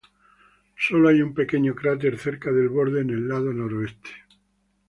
Solo hay un pequeño cráter cerca del borde en el lado noroeste.